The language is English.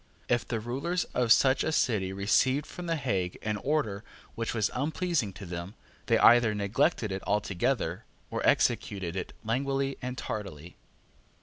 If the rulers of such a city received from the Hague an order which was unpleasing to them, they either neglected it altogether, or executed it languidly and tardily.